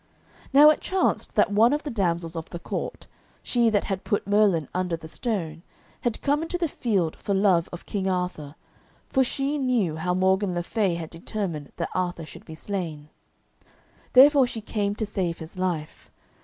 Now it chanced that one of the damsels of the court, she that had put Merlin under the stone, had come into the field for love of King Arthur, for she knew how Morgan le Fay had determined that Arthur should be slain; therefore she came to save his life.